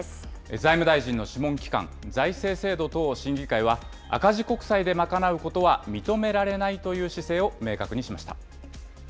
財務大臣の諮問機関、財政制度等審議会は、赤字国債で賄うことは認められないという姿勢を明確にしました。